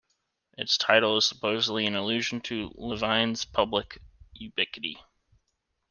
Its title is supposedly an allusion to Levine's public ubiquity.